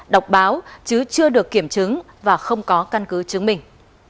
đọc báo chứ chưa được kiểm chứng và không có căn cứ chứng minh